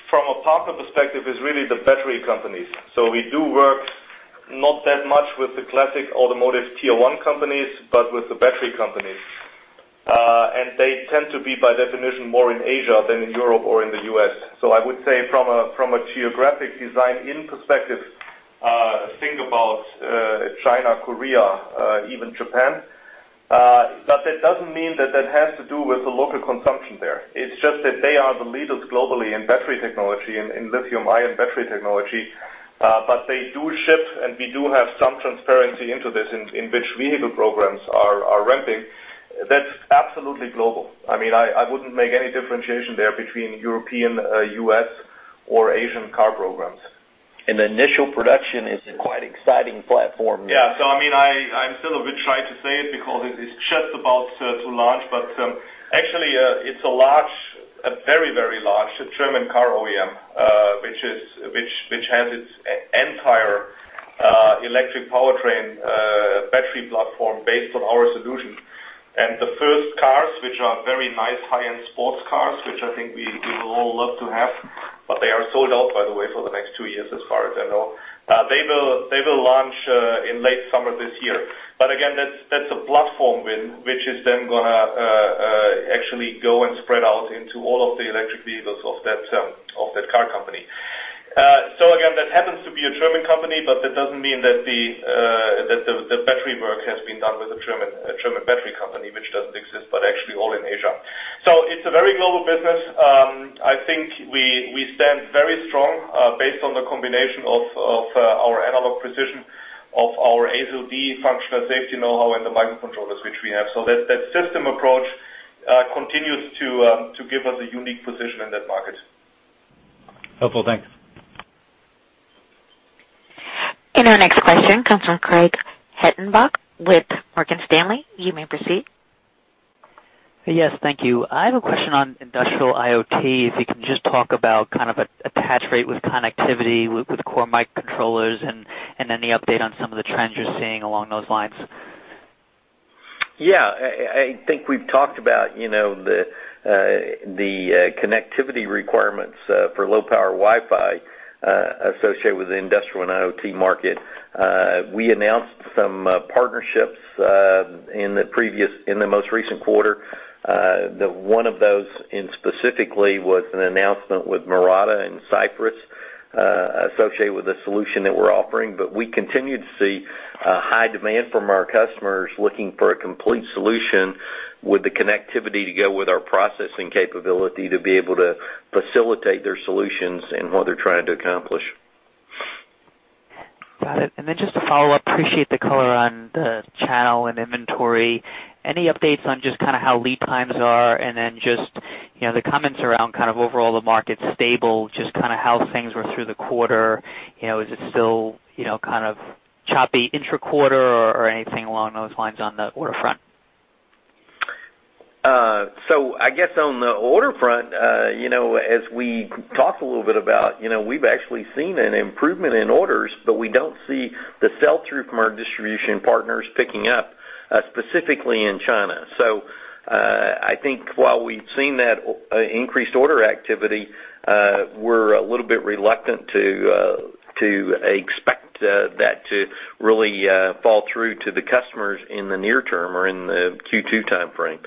from a partner perspective is really the battery companies. We do work not that much with the classic automotive tier one companies, but with the battery companies. They tend to be, by definition, more in Asia than in Europe or in the U.S. I would say from a geographic design-in perspective, think about China, Korea, even Japan. That doesn't mean that has to do with the local consumption there. It's just that they are the leaders globally in battery technology, in lithium-ion battery technology. They do ship, and we do have some transparency into this, in which vehicle programs are ramping. That's absolutely global. I wouldn't make any differentiation there between European, U.S., or Asian car programs. The initial production is a quite exciting platform. Yeah. I'm still a bit shy to say it because it's just about to launch. Actually, it's a very, very large German car OEM, which has its entire electric powertrain battery platform based on our solution. The first cars, which are very nice high-end sports cars, which I think we will all love to have, but they are sold out, by the way, for the next two years, as far as I know. They will launch in late summer this year. Again, that's a platform win, which is then going to actually go and spread out into all of the electric vehicles of that car company. Again, that happens to be a German company, but that doesn't mean that the battery work has been done with a German battery company, which doesn't exist, but actually all in Asia. It's a very global business. I think we stand very strong based on the combination of our analogue precision, of our ASIL-D functional safety know-how, and the microcontrollers which we have. That system approach continues to give us a unique position in that market. Helpful. Thanks. Our next question comes from Craig Hettenbach with Morgan Stanley. You may proceed. Yes. Thank you. I have a question on industrial IoT. If you can just talk about attach rate with connectivity, with core microcontrollers, any update on some of the trends you're seeing along those lines. Yeah. I think we've talked about the connectivity requirements for low-power Wi-Fi associated with the industrial and IoT market. We announced some partnerships in the most recent quarter. One of those specifically was an announcement with Murata and Cypress associated with a solution that we're offering. We continue to see a high demand from our customers looking for a complete solution with the connectivity to go with our processing capability to be able to facilitate their solutions and what they're trying to accomplish. Got it. Then just a follow-up, appreciate the color on the channel and inventory. Any updates on just how lead times are? Then just the comments around kind of overall the market's stable, just how things were through the quarter. Is it still kind of choppy intra-quarter or anything along those lines on the order front? I guess on the order front, as we talked a little bit about, we've actually seen an improvement in orders, but we don't see the sell-through from our distribution partners picking up, specifically in China. I think while we've seen that increased order activity, we're a little bit reluctant to expect that to really fall through to the customers in the near term or in the Q2 timeframe.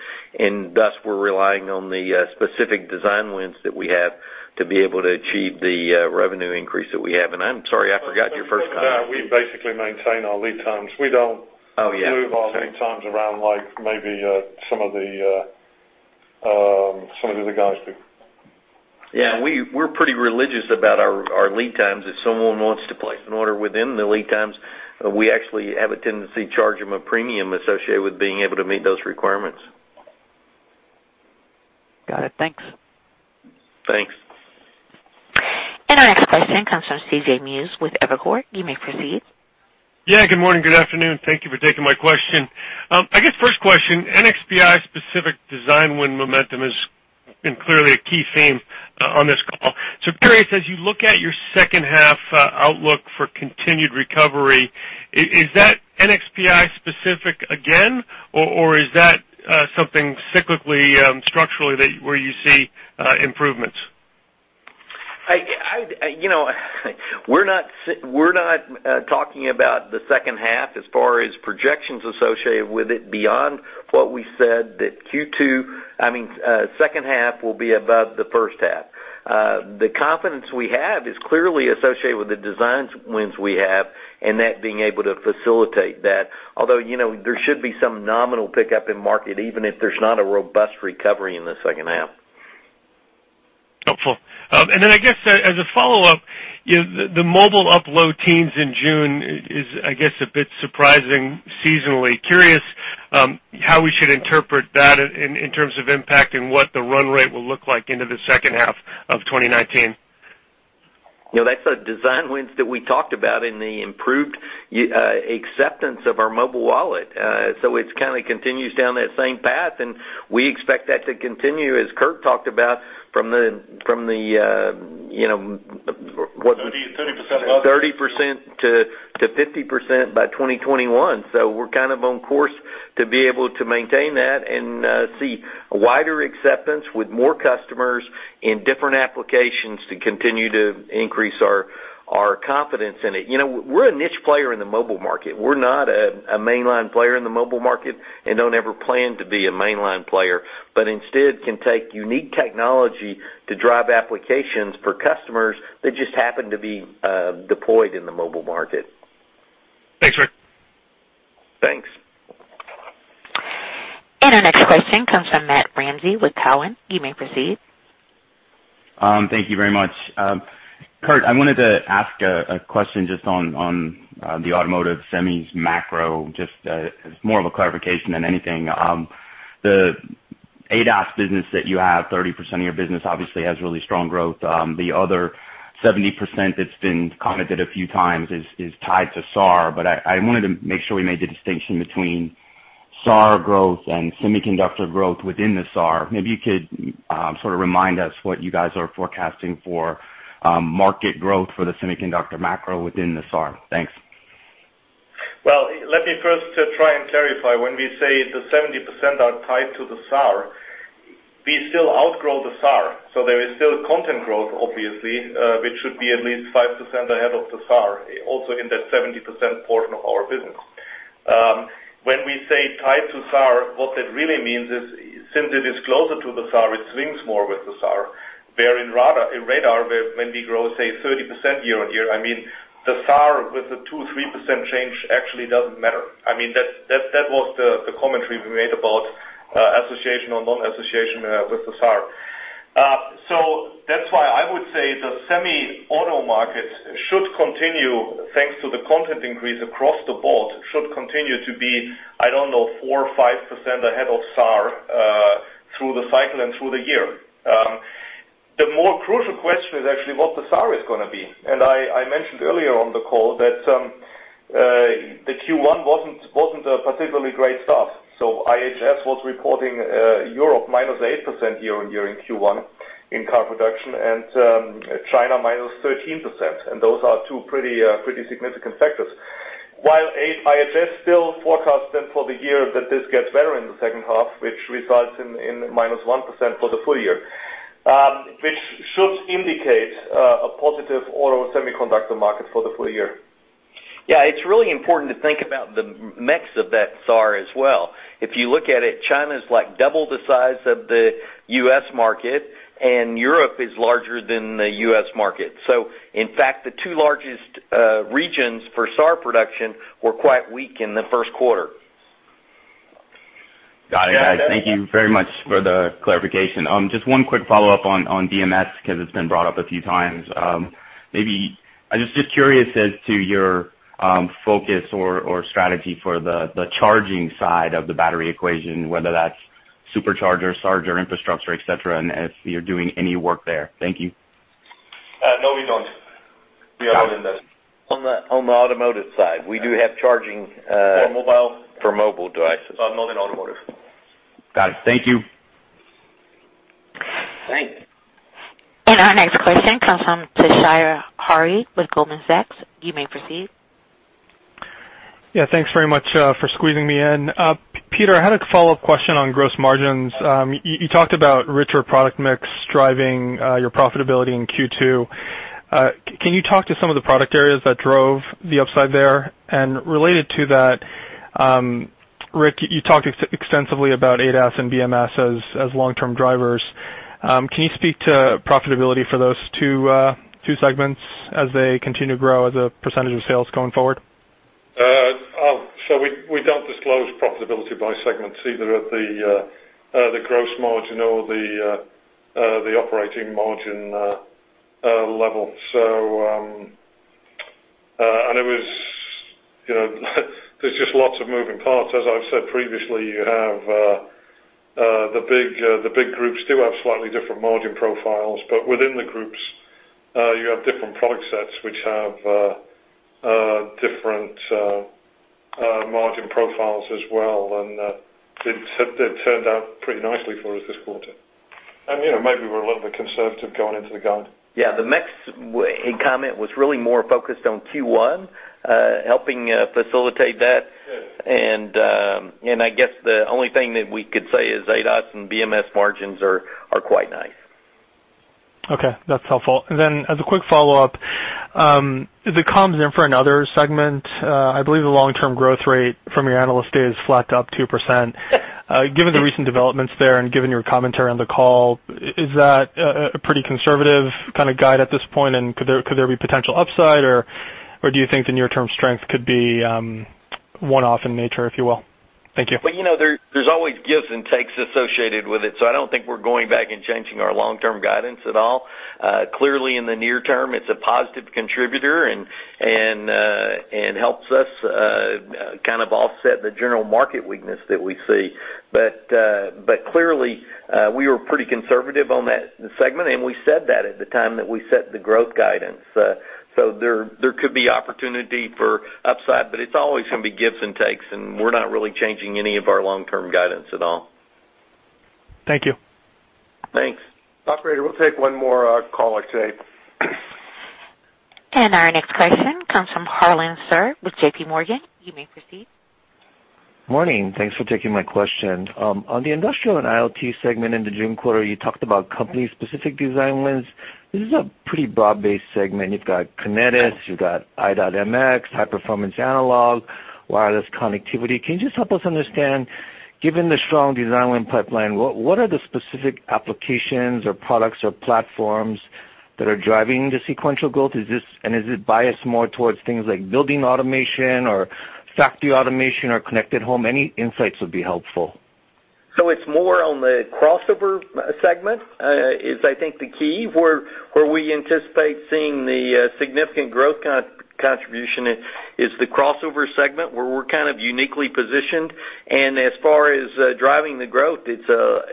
Thus, we're relying on the specific design wins that we have to be able to achieve the revenue increase that we have. I'm sorry, I forgot your first comment. We basically maintain our lead times. We don't Oh, yeah. move our lead times around like maybe some of the guys do. Yeah, we're pretty religious about our lead times. If someone wants to place an order within the lead times, we actually have a tendency to charge them a premium associated with being able to meet those requirements. Got it. Thanks. Thanks. Our next question comes from C.J. Muse with Evercore. You may proceed. Yeah, good morning, good afternoon. Thank you for taking my question. I guess first question, NXPI specific design win momentum has been clearly a key theme on this call. Curious, as you look at your second half outlook for continued recovery, is that NXPI specific again, or is that something cyclically, structurally, where you see improvements? We're not talking about the second half as far as projections associated with it beyond what we said that Q2, I mean, second half will be above the first half. The confidence we have is clearly associated with the design wins we have and that being able to facilitate that. There should be some nominal pickup in market, even if there's not a robust recovery in the second half. Helpful. Then I guess as a follow-up, the mobile up low teens in June is, I guess, a bit surprising seasonally. Curious how we should interpret that in terms of impact and what the run rate will look like into the second half of 2019. That's the design wins that we talked about and the improved acceptance of our mobile wallet. It kind of continues down that same path, and we expect that to continue, as Kurt talked about. From 30% 30%-50% by 2021. We're kind of on course to be able to maintain that and see a wider acceptance with more customers in different applications to continue to increase our confidence in it. We're a niche player in the mobile market. We're not a mainline player in the mobile market and don't ever plan to be a mainline player, but instead can take unique technology to drive applications for customers that just happen to be deployed in the mobile market. Thanks, Rick. Thanks. Our next question comes from Matthew Ramsay with Cowen. You may proceed. Thank you very much. Kurt, I wanted to ask a question just on the automotive semis macro, just as more of a clarification than anything. The ADAS business that you have, 30% of your business obviously has really strong growth. The other 70% that's been commented a few times is tied to SAAR. I wanted to make sure we made the distinction between SAAR growth and semiconductor growth within the SAAR. Maybe you could sort of remind us what you guys are forecasting for market growth for the semiconductor macro within the SAAR. Thanks. Well, let me first try and clarify. When we say the 70% are tied to the SAAR, we still outgrow the SAAR. There is still content growth, obviously, which should be at least 5% ahead of the SAAR, also in that 70% portion of our business. When we say tied to SAAR, what that really means is since it is closer to the SAAR, it swings more with the SAAR, wherein radar, when we grow, say, 30% year-on-year, I mean, the SAAR with a 2% - 3% change actually doesn't matter. That was the commentary we made about association or non-association with the SAAR. That's why I would say the semi-auto market should continue, thanks to the content increase across the board, should continue to be, I don't know, 4% - 5% ahead of SAAR through the cycle and through the year. The more crucial question is actually what the SAAR is going to be. I mentioned earlier on the call that the Q1 wasn't a particularly great start. IHS was reporting Europe -8% year-on-year in Q1 in car production, China minus 13%, those are two pretty significant sectors. IHS still forecasts for the year that this gets better in the second half, which results in -1% for the full year, which should indicate a positive auto semiconductor market for the full year. Yeah, it's really important to think about the mix of that SAAR as well. If you look at it, China's double the size of the U.S. market, Europe is larger than the U.S. market. In fact, the two largest regions for SAAR production were quite weak in the first quarter. Got it. Thank you very much for the clarification. Just one quick follow-up on BMS because it's been brought up a few times. I was just curious as to your focus or strategy for the charging side of the battery equation, whether that's supercharger, charger infrastructure, et cetera, and if you're doing any work there. Thank you. No, we don't. We are not in that. On the automotive side. We do have charging- For mobile for mobile devices. Not in automotive. Got it. Thank you. Thanks. Our next question comes from Toshiya Hari with Goldman Sachs. You may proceed. Yeah, thanks very much for squeezing me in. Peter, I had a follow-up question on gross margins. You talked about richer product mix driving your profitability in Q2. Can you talk to some of the product areas that drove the upside there? Related to that, Rick, you talked extensively about ADAS and BMS as long-term drivers. Can you speak to profitability for those two segments as they continue to grow as a percentage of sales going forward? We don't disclose profitability by segments, either at the gross margin or the operating margin level. There's just lots of moving parts. As I've said previously, the big groups do have slightly different margin profiles, but within the groups, you have different product sets which have different margin profiles as well, and it turned out pretty nicely for us this quarter. Maybe we're a little bit conservative going into the guide. Yeah, the mix comment was really more focused on Q1, helping facilitate that. Yes. I guess the only thing that we could say is ADAS and BMS margins are quite nice. Okay, that's helpful. Then as a quick follow-up, the comms in for another segment, I believe the long-term growth rate from your analyst day is flat to up 2%. Given the recent developments there and given your commentary on the call, is that a pretty conservative kind of guide at this point, and could there be potential upside, or do you think the near-term strength could be one-off in nature, if you will? Thank you. There's always gives and takes associated with it. I don't think we're going back and changing our long-term guidance at all. Clearly, in the near term, it's a positive contributor and helps us kind of offset the general market weakness that we see. Clearly, we were pretty conservative on that segment, and we said that at the time that we set the growth guidance. There could be opportunity for upside, but it's always going to be gives and takes, and we're not really changing any of our long-term guidance at all. Thank you. Thanks. Operator, we'll take one more caller today. Our next question comes from Harlan Sur with JP Morgan. You may proceed. Morning. Thanks for taking my question. On the industrial and IoT segment in the June quarter, you talked about company-specific design wins. This is a pretty broad-based segment. You've got Kinetis, you've got i.MX, high-performance analogue, wireless connectivity. Can you just help us understand, given the strong design win pipeline, what are the specific applications or products or platforms that are driving the sequential growth? Is it biased more towards things like building automation or factory automation or connected home? Any insights would be helpful. It's more on the crossover segment is, I think, the key. Where we anticipate seeing the significant growth contribution is the crossover segment, where we're kind of uniquely positioned. As far as driving the growth, it's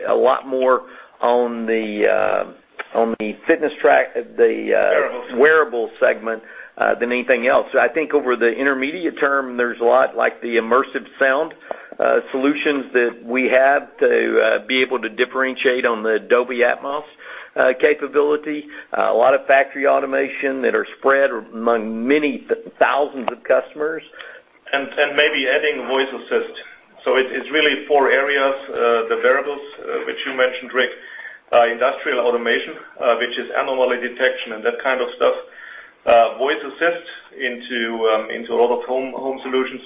a lot more on the fitness track, the Wearables Wearable segment than anything else. I think over the intermediate term, there's a lot like the immersive sound solutions that we have to be able to differentiate on the Dolby Atmos capability. A lot of factory automation that are spread among many thousands of customers. Maybe adding voice assist. It's really four areas. The wearables, which you mentioned, Rick. Industrial automation, which is anomaly detection and that kind of stuff. Voice assist into a lot of home solutions.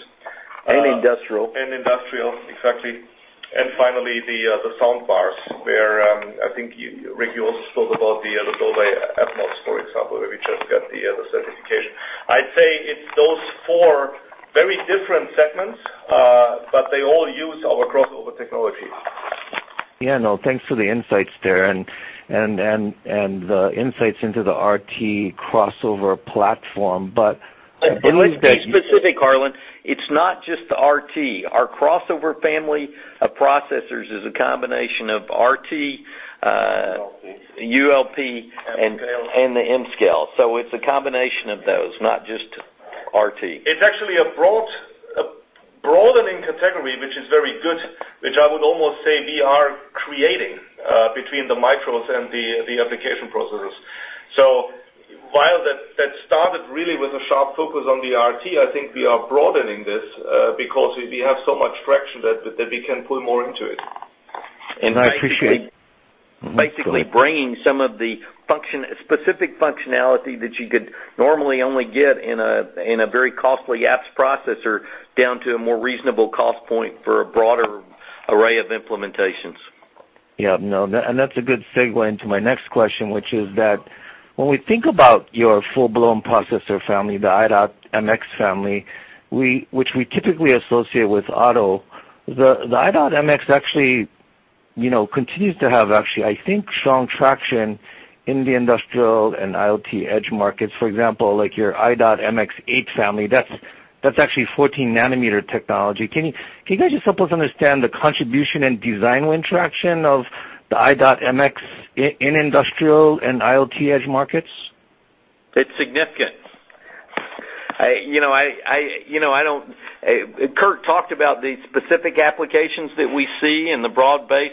Industrial. Industrial, exactly. Finally, the sound bars, where I think, Rick, you also spoke about the Dolby Atmos, for example, where we just got the certification. I'd say it's those four very different segments, but they all use our crossover technology. Yeah, no, thanks for the insights there and the insights into the RT Crossover platform. Let's be specific, Harlan. It's not just the RT. Our Crossover family of processors is a combination of RT. ULP ULP- mScale The mScale. It's a combination of those, not just RT It's actually a broadening category, which is very good, which I would almost say we are creating between the micros and the application processors. While that started really with a sharp focus on the RT, I think we are broadening this because we have so much traction that we can pull more into it. I appreciate. Basically bringing some of the specific functionality that you could normally only get in a very costly apps processor down to a more reasonable cost point for a broader array of implementations. Yeah. No, that's a good segue into my next question, which is that when we think about your full-blown processor family, the i.MX family, which we typically associate with auto, the i.MX actually continues to have, actually, I think, strong traction in the industrial and IoT edge markets, for example, like your i.MX8 family, that's actually 14 nanometer technology. Can you guys just help us understand the contribution and design win traction of the i.MX in industrial and IoT edge markets? It's significant. Kurt talked about the specific applications that we see and the broad base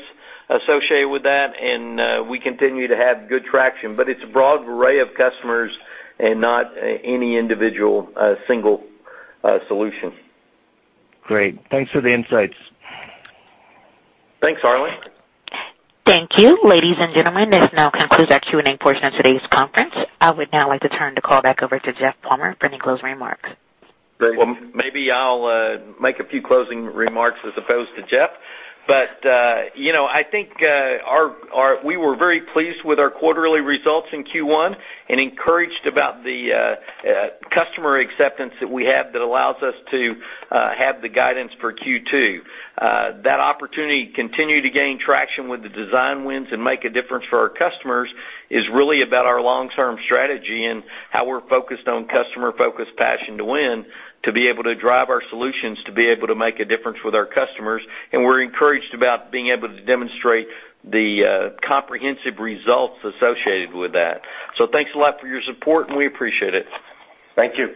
associated with that, and we continue to have good traction, but it's a broad array of customers and not any individual, single solution. Great. Thanks for the insights. Thanks, Harlan. Thank you. Ladies and gentlemen, this now concludes our Q&A portion of today's conference. I would now like to turn the call back over to Jeff Palmer for any closing remarks. Great. Well, maybe I'll make a few closing remarks as opposed to Jeff. I think we were very pleased with our quarterly results in Q1 and encouraged about the customer acceptance that we have that allows us to have the guidance for Q2. That opportunity to continue to gain traction with the design wins and make a difference for our customers is really about our long-term strategy and how we're focused on customer focus passion to win, to be able to drive our solutions, to be able to make a difference with our customers. We're encouraged about being able to demonstrate the comprehensive results associated with that. Thanks a lot for your support, and we appreciate it. Thank you.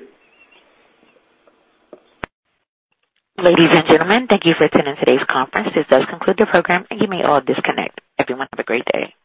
Ladies and gentlemen, thank you for attending today's conference. This does conclude the program. You may all disconnect. Everyone, have a great day.